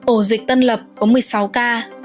ổ dịch tân lập có một mươi sáu ca